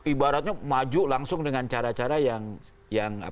ibaratnya maju langsung dengan cara cara yang